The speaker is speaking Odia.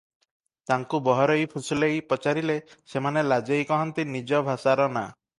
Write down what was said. ତାଙ୍କୁ ବହରେଇ ଫୁସୁଲେଇ ପଚାରିଲେ ସେମାନେ ଲାଜେଇ କହନ୍ତି ନିଜ ଭାଷାର ନାଁ ।